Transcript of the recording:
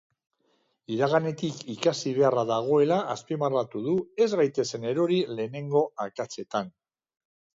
Iraganetik ikasi beharra dagoela azpimarratu du ez gaitezen erori lehengo akatsetan.